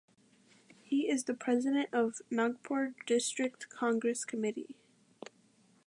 He is the President of Nagpur District Congress Committee.